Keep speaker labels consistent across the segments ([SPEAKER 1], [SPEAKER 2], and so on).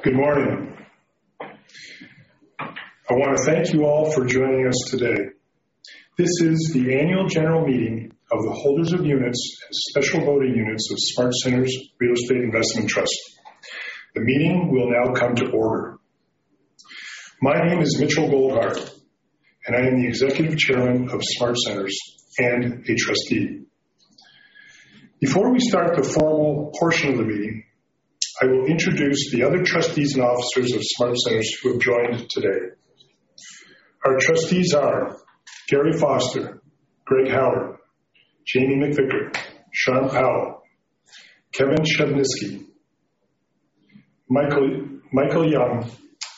[SPEAKER 1] Good morning. I want to thank you all for joining us today. This is the annual general meeting of the holders of units and special voting units of SmartCentres Real Estate Investment Trust. The meeting will now come to order. My name is Mitchell Goldhar, and I am the Executive Chairman of SmartCentres and a Trustee. Before we start the formal portion of the meeting, I will introduce the other trustees and officers of SmartCentres who have joined us today. Our trustees are Garry Foster, Gregory Howard, Jamie McVicar, Sharm Powell, Kevin Pshebniski, Michael Young,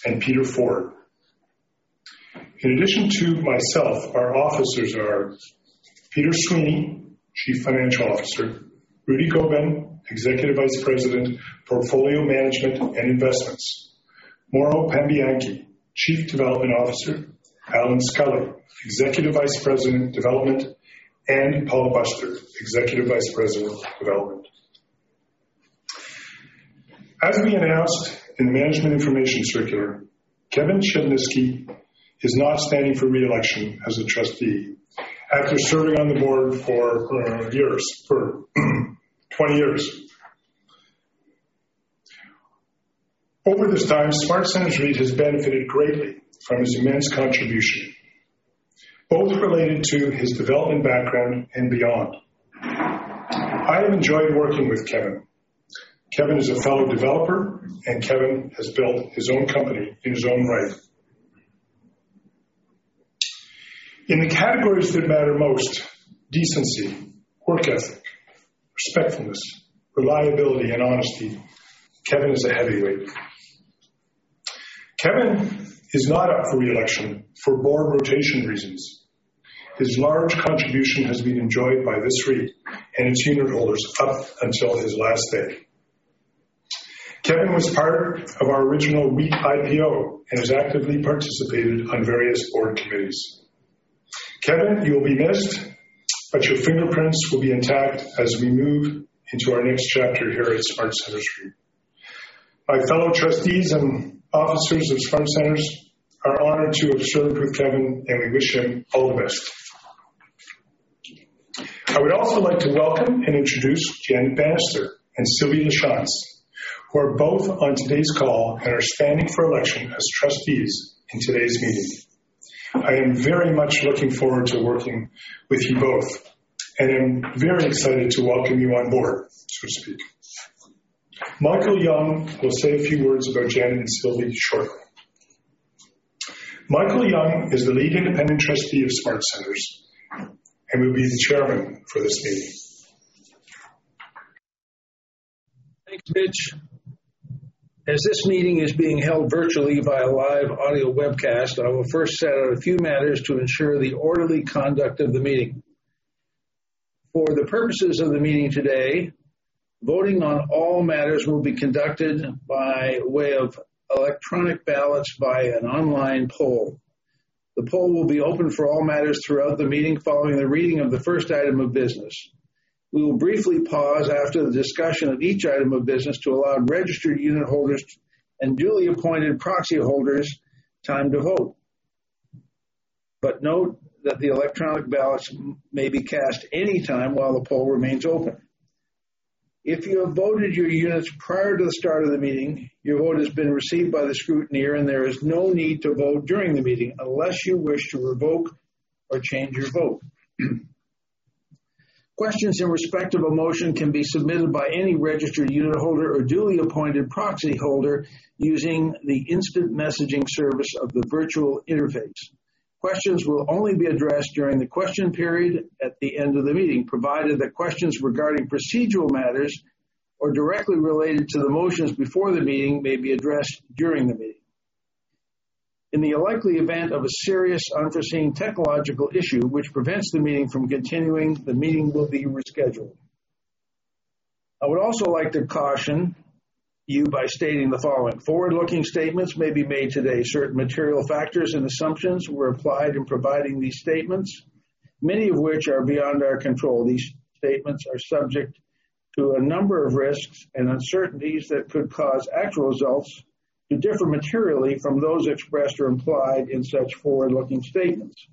[SPEAKER 1] and Peter Forde. In addition to myself, our officers are Peter Sweeney, Chief Financial Officer, Rudy Gobin, Executive Vice President, Portfolio Management and Investments, Mauro Pambianchi, Chief Development Officer, Allan Scully, Executive Vice President, Development, and Paula Bustard, Executive Vice President, Development. As we announced in the management information circular, Kevin Pshebniski is not standing for re-election as a trustee after serving on the board for 20 years. Over this time, SmartCentres REIT has benefited greatly from his immense contribution, both related to his development background and beyond. I have enjoyed working with Kevin. Kevin is a fellow developer, and Kevin has built his own company in his own right. In the categories that matter most, decency, work ethic, respectfulness, reliability, and honesty, Kevin is a heavyweight. Kevin is not up for re-election for board rotation reasons. His large contribution has been enjoyed by this REIT and its unitholders up until his last day. Kevin was part of our original REIT IPO and has actively participated on various board committees. Kevin, you'll be missed, but your fingerprints will be intact as we move into our next chapter here at SmartCentres REIT. My fellow trustees and officers of SmartCentres are honored to have served with Kevin and we wish him all the best. I would also like to welcome and introduce Janet Bannister and Sylvie Lachance, who are both on today's call and are standing for election as trustees in today's meeting. I am very much looking forward to working with you both and am very excited to welcome you on board, so to speak. Michael Young will say a few words about Janet and Sylvie shortly. Michael Young is a leading and a trustee of SmartCentres, and will be the Chairman for this meeting.
[SPEAKER 2] Thanks, Mitch. As this meeting is being held virtually by a live audio webcast, I will first set out a few matters to ensure the orderly conduct of the meeting. For the purposes of the meeting today, voting on all matters will be conducted by way of electronic ballots via an online poll. The poll will be open for all matters throughout the meeting following the reading of the first item of business. We will briefly pause after the discussion of each item of business to allow registered unitholders and duly appointed proxyholders time to vote. Note that the electronic ballots may be cast any time while the poll remains open. If you have voted your units prior to the start of the meeting, your vote has been received by the scrutineer, and there is no need to vote during the meeting unless you wish to revoke or change your vote. Questions in respect of a motion can be submitted by any registered unitholder or duly appointed proxyholder using the instant messaging service of the virtual interface. Questions will only be addressed during the question period at the end of the meeting, provided that questions regarding procedural matters or directly related to the motions before the meeting may be addressed during the meeting. In the unlikely event of a serious unforeseen technological issue which prevents the meeting from continuing, the meeting will be rescheduled. I would also like to caution you by stating the following. Forward-looking statements may be made today. Certain material factors and assumptions were applied in providing these statements, many of which are beyond our control. These statements are subject to a number of risks and uncertainties that could cause actual results to differ materially from those expressed or implied in such forward-looking statements.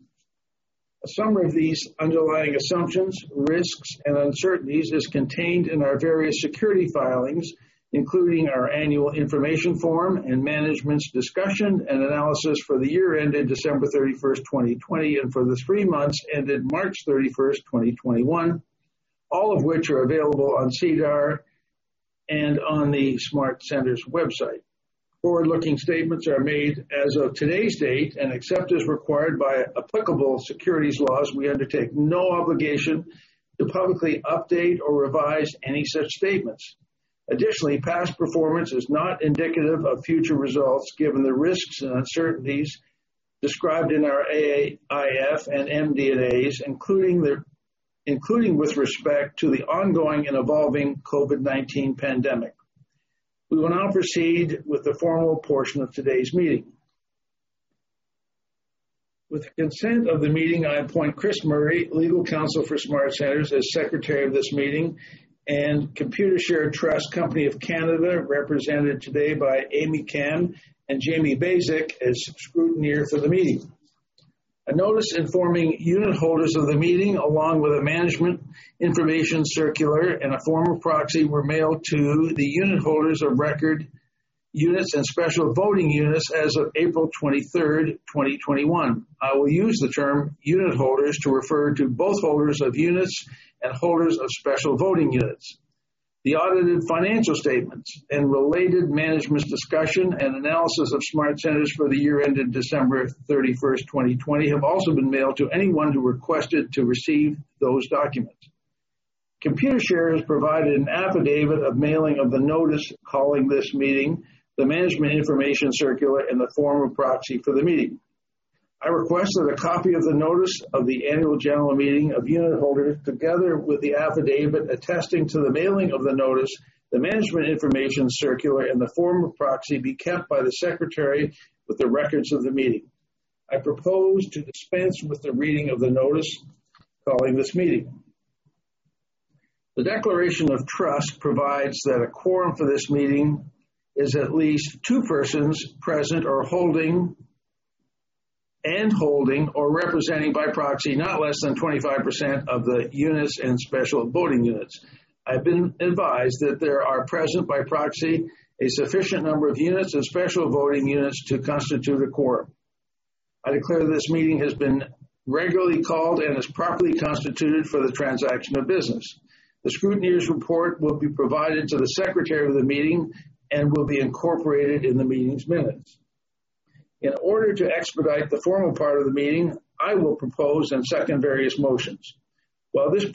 [SPEAKER 2] A summary of these underlying assumptions, risks, and uncertainties is contained in our various security filings, including our annual information form and management's discussion and analysis for the year ended December 31st, 2020, and for the three months ended March 31st, 2021, all of which are available on SEDAR and on the SmartCentres website. Forward-looking statements are made as of today's date, and except as required by applicable securities laws, we undertake no obligation to publicly update or revise any such statements. Additionally, past performance is not indicative of future results given the risks and uncertainties described in our AIF and MD&As, including with respect to the ongoing and evolving COVID-19 pandemic. We will now proceed with the formal portion of today's meeting. With consent of the meeting, I appoint Chris Murray, legal counsel for SmartCentres, as secretary of this meeting, and Computershare Trust Company of Canada, represented today by Amy Kam and Jamie Basic, as scrutineer for the meeting. A notice informing unitholders of the meeting, along with a management information circular and a form of proxy, were mailed to the unitholders of record units and special voting units as of April 23rd, 2021. I will use the term unitholders to refer to both holders of units and holders of special voting units. The audited financial statements and related management's discussion and analysis of SmartCentres for the year ended December 31st, 2020, have also been mailed to anyone who requested to receive those documents. Computershare has provided an affidavit of mailing of the notice calling this meeting, the management information circular, and the form of proxy for the meeting. I request that a copy of the notice of the annual general meeting of unitholders, together with the affidavit attesting to the mailing of the notice, the management information circular, and the form of proxy, be kept by the secretary with the records of the meeting. I propose to dispense with the reading of the notice calling this meeting. The declaration of trust provides that a quorum for this meeting is at least two persons present and holding or representing by proxy not less than 25% of the units and special voting units. I've been advised that there are present by proxy a sufficient number of units and special voting units to constitute a quorum. I declare this meeting has been regularly called and is properly constituted for the transaction of business. The scrutineer's report will be provided to the secretary of the meeting and will be incorporated in the meeting's minutes. In order to expedite the formal part of the meeting, I will propose and second various motions. While this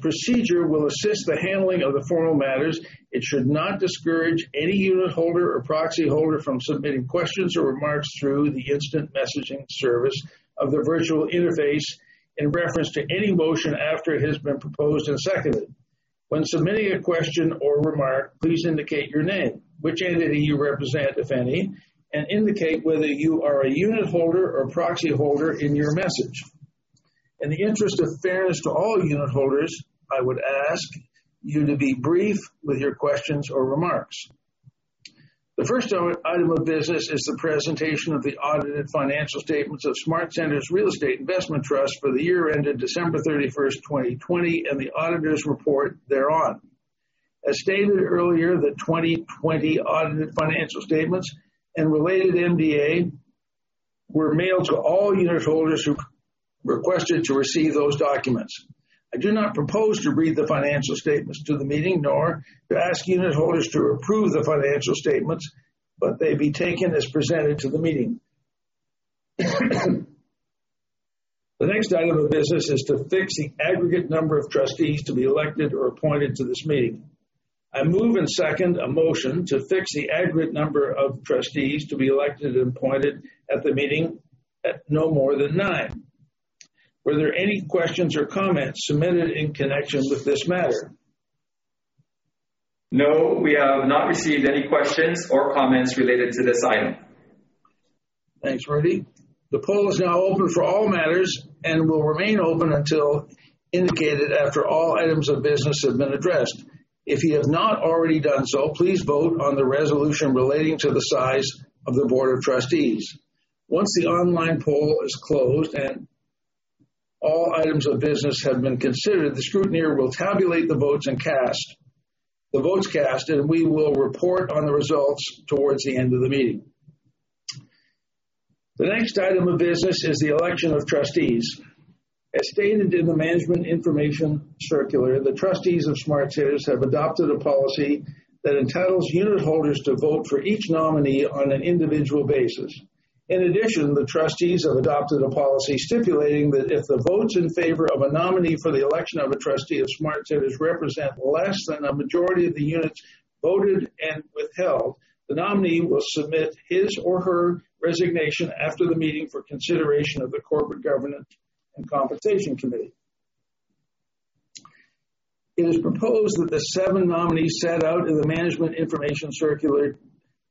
[SPEAKER 2] procedure will assist the handling of the formal matters, it should not discourage any unitholder or proxyholder from submitting questions or remarks through the instant messaging service of the virtual interface in reference to any motion after it has been proposed and seconded. When submitting a question or remark, please indicate your name, which entity you represent, if any, and indicate whether you are a unitholder or proxyholder in your message. In the interest of fairness to all unitholders, I would ask you to be brief with your questions or remarks. The first item of business is the presentation of the audited financial statements of SmartCentres Real Estate Investment Trust for the year ended December 31st, 2020, and the auditor's report thereon. As stated earlier, the 2020 audited financial statements and related MD&A were mailed to all unitholders who requested to receive those documents. I do not propose to read the financial statements to the meeting, nor to ask unitholders to approve the financial statements, but they be taken as presented to the meeting. The next item of business is to fix the aggregate number of trustees to be elected or appointed to this meeting. I move and second a motion to fix the aggregate number of trustees to be elected and appointed at the meeting at no more than 9. Were there any questions or comments submitted in connection with this matter?
[SPEAKER 3] No, we have not received any questions or comments related to this item.
[SPEAKER 2] Thanks, Rudy. The poll is now open for all matters and will remain open until indicated after all items of business have been addressed. If you have not already done so, please vote on the resolution relating to the size of the board of trustees. Once the online poll is closed and all items of business have been considered, the scrutineer will tabulate the votes cast, and we will report on the results towards the end of the meeting. The next item of business is the election of trustees. As stated in the management information circular, the trustees of SmartCentres have adopted a policy that entitles unitholders to vote for each nominee on an individual basis. In addition, the trustees have adopted a policy stipulating that if the votes in favor of a nominee for the election of a trustee of SmartCentres represent less than a majority of the units voted and withheld, the nominee will submit his or her resignation after the meeting for consideration of the Corporate Governance and Compensation Committee. It is proposed that the 7 nominees set out in the management information circular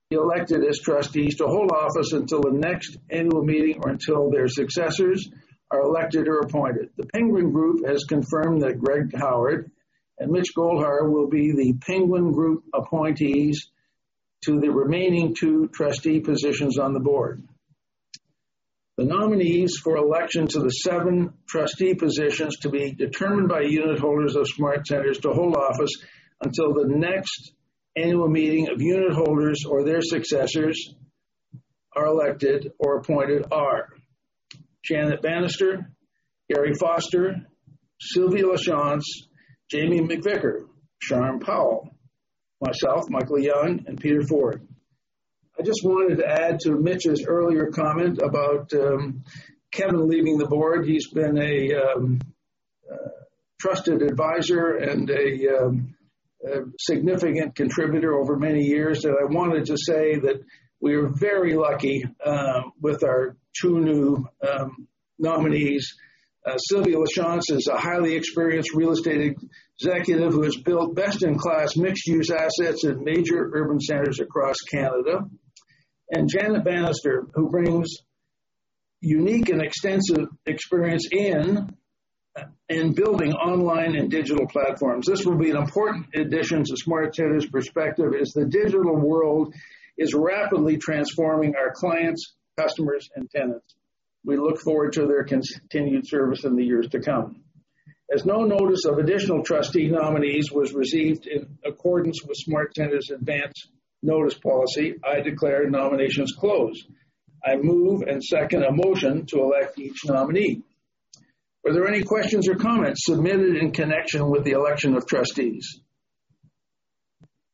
[SPEAKER 2] be elected as trustees to hold office until the next annual meeting or until their successors are elected or appointed. The Penguin Group has confirmed that Gregory Howard and Mitchell Goldhar will be the Penguin Group appointees to the remaining 2 trustee positions on the board. The nominees for election to the seven trustee positions to be determined by unitholders of SmartCentres to hold office until the next annual meeting of unitholders or their successors are elected or appointed are Janet Bannister, Garry Foster, Sylvie Lachance, Jamie McVicar, Sharm Powell, myself, Michael Young, and Peter Forde. I just wanted to add to Mitch's earlier comment about Kevin leaving the board. He's been a trusted advisor and a significant contributor over many years. I wanted to say that we are very lucky with our two new nominees. Sylvie Lachance is a highly experienced real estate executive who has built best-in-class mixed-use assets in major urban centers across Canada. Janet Bannister, who brings unique and extensive experience in building online and digital platforms. This will be an important addition to SmartCentres' perspective as the digital world is rapidly transforming our clients, customers, and tenants. We look forward to their continued service in the years to come. As no notice of additional trustee nominees was received in accordance with SmartCentres' advance notice policy, I declare nominations closed. I move and second a motion to elect each nominee. Were there any questions or comments submitted in connection with the election of trustees?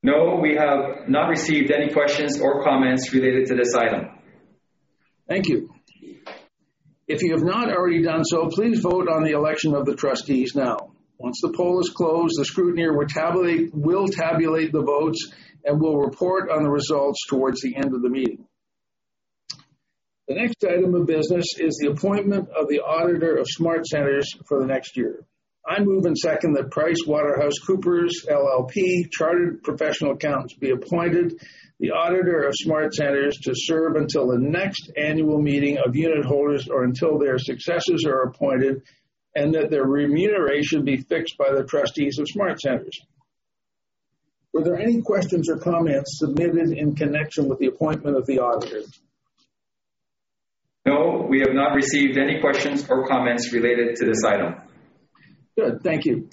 [SPEAKER 3] No, we have not received any questions or comments related to this item.
[SPEAKER 2] Thank you. If you have not already done so, please vote on the election of the trustees now. Once the poll is closed, the scrutineer will tabulate the votes and will report on the results towards the end of the meeting. The next item of business is the appointment of the auditor of SmartCentres for the next year. I move and second that PricewaterhouseCoopers LLP, Chartered Professional Accountants, be appointed the auditor of SmartCentres to serve until the next annual meeting of unitholders or until their successors are appointed, and that their remuneration be fixed by the trustees of SmartCentres. Were there any questions or comments submitted in connection with the appointment of the auditor?
[SPEAKER 3] No, we have not received any questions or comments related to this item.
[SPEAKER 2] Good. Thank you.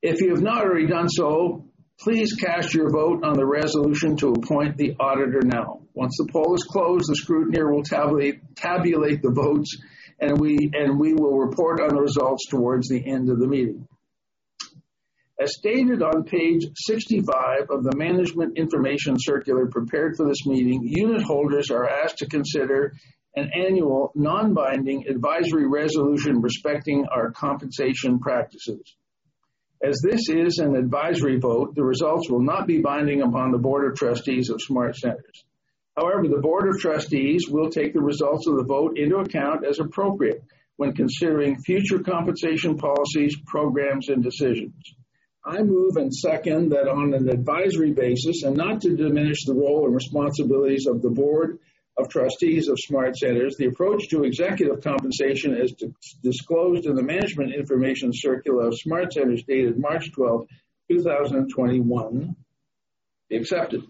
[SPEAKER 2] If you have not already done so, please cast your vote on the resolution to appoint the auditor now. Once the poll is closed, the scrutineer will tabulate the votes, and we will report on the results towards the end of the meeting. As stated on page 65 of the management information circular prepared for this meeting, unitholders are asked to consider an annual non-binding advisory resolution respecting our compensation practices. As this is an advisory vote, the results will not be binding upon the board of trustees of SmartCentres. However, the board of trustees will take the results of the vote into account as appropriate when considering future compensation policies, programs, and decisions. I move and second that on an advisory basis and not to diminish the role and responsibilities of the board of trustees of SmartCentres, the approach to executive compensation as disclosed in the management information circular of SmartCentres dated March 12, 2021 be accepted.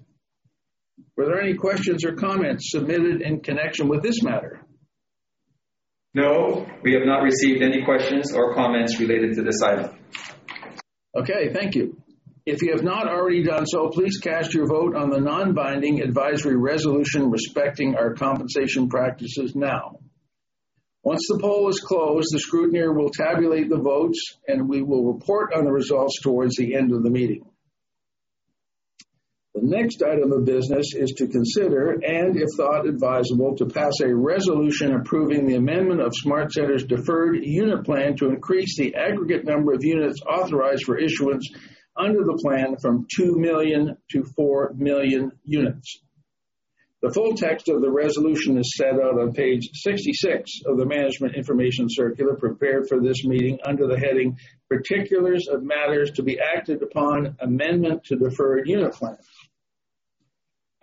[SPEAKER 2] Were there any questions or comments submitted in connection with this matter?
[SPEAKER 3] No, we have not received any questions or comments related to this item.
[SPEAKER 2] Okay, thank you. If you have not already done so, please cast your vote on the non-binding advisory resolution respecting our compensation practices now. Once the poll is closed, the scrutineer will tabulate the votes, and we will report on the results towards the end of the meeting. The next item of business is to consider, and if thought advisable, to pass a resolution approving the amendment of SmartCentres' deferred unit plan to increase the aggregate number of units authorized for issuance under the plan from 2 million-4 million units. The full text of the resolution is set out on page 66 of the management information circular prepared for this meeting under the heading particulars of matters to be acted upon, amendment to deferred unit plan.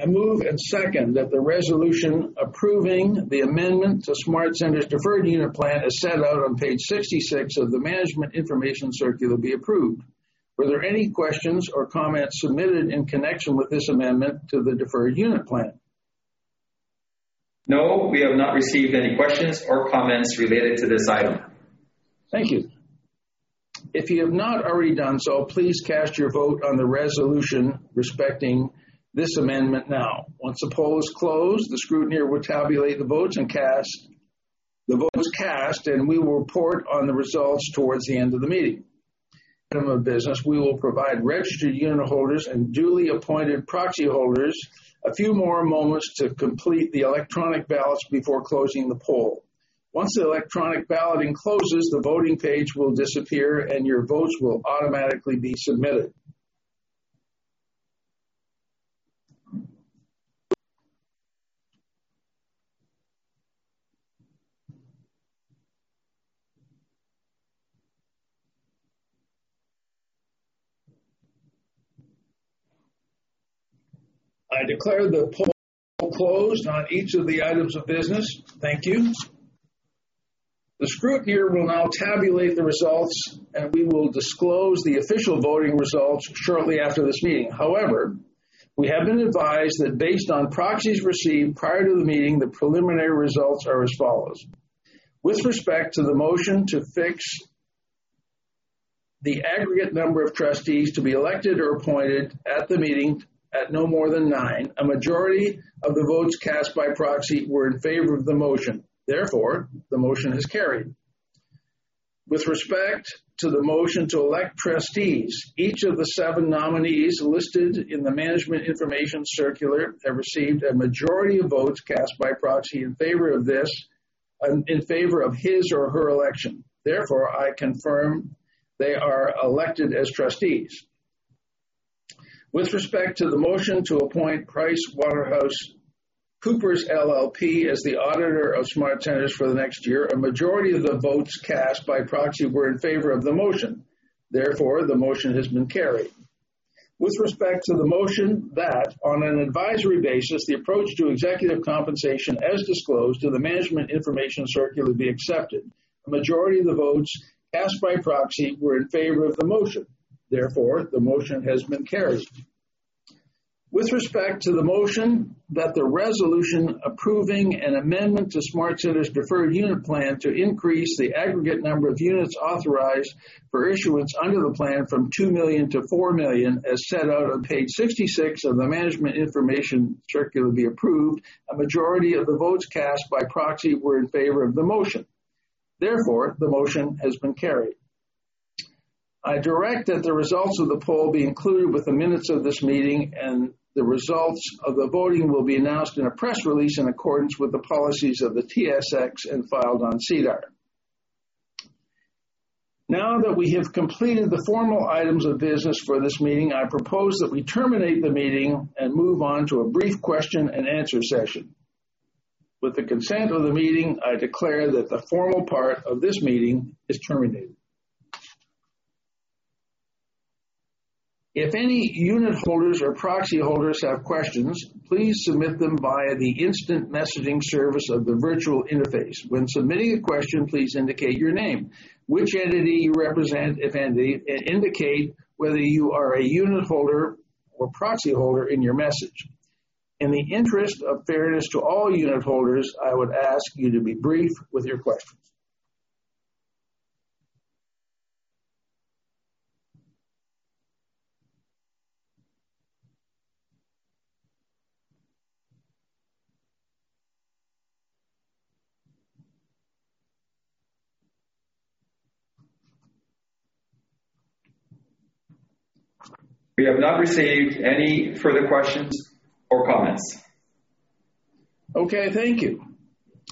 [SPEAKER 2] I move and second that the resolution approving the amendment to SmartCentres deferred unit plan as set out on page 66 of the management information circular be approved. Were there any questions or comments submitted in connection with this amendment to the deferred unit plan?
[SPEAKER 3] No, we have not received any questions or comments related to this item.
[SPEAKER 2] Thank you. If you have not already done so, please cast your vote on the resolution respecting this amendment now. Once the poll is closed, the scrutineer will tabulate the votes cast, and we will report on the results towards the end of the meeting. Item of business, we will provide registered unitholders and duly appointed proxy holders a few more moments to complete the electronic ballots before closing the poll. Once the electronic balloting closes, the voting page will disappear, and your votes will automatically be submitted. I declare the poll closed on each of the items of business. Thank you. The scrutineer will now tabulate the results, and we will disclose the official voting results shortly after this meeting. We have been advised that based on proxies received prior to the meeting, the preliminary results are as follows. With respect to the motion to fix the aggregate number of trustees to be elected or appointed at the meeting at no more than nine, a majority of the votes cast by proxy were in favor of the motion. Therefore, the motion is carried. With respect to the motion to elect trustees, each of the seven nominees listed in the management information circular have received a majority of votes cast by proxy in favor of his or her election. Therefore, I confirm they are elected as trustees. With respect to the motion to appoint PricewaterhouseCoopers LLP as the auditor of SmartCentres for the next year, a majority of the votes cast by proxy were in favor of the motion. Therefore, the motion has been carried. With respect to the motion that on an advisory basis, the approach to executive compensation as disclosed in the management information circular be accepted, a majority of the votes cast by proxy were in favor of the motion. Therefore, the motion has been carried. With respect to the motion that the resolution approving an amendment to SmartCentres deferred unit plan to increase the aggregate number of units authorized for issuance under the plan from 2 million-4 million, as set out on page 66 of the management information circular be approved, a majority of the votes cast by proxy were in favor of the motion. Therefore, the motion has been carried. I direct that the results of the poll be included with the minutes of this meeting, and the results of the voting will be announced in a press release in accordance with the policies of the TSX and filed on SEDAR. Now that we have completed the formal items of business for this meeting, I propose that we terminate the meeting and move on to a brief question and answer session. With the consent of the meeting, I declare that the formal part of this meeting is terminated. If any unitholders or proxy holders have questions, please submit them via the instant messaging service of the virtual interface. When submitting a question, please indicate your name, which entity you represent, if any, and indicate whether you are a unitholder or proxyholder in your message. In the interest of fairness to all unitholders, I would ask you to be brief with your questions.
[SPEAKER 3] We have not received any further questions or comments.
[SPEAKER 2] Okay, thank you.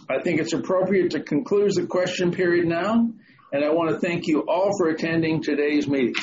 [SPEAKER 2] I think it's appropriate to conclude the question period now, and I want to thank you all for attending today's meeting.